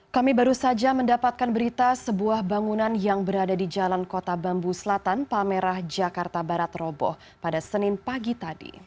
kami baru saja mendapatkan berita sebuah bangunan yang berada di jalan kota bambu selatan palmerah jakarta barat roboh pada senin pagi tadi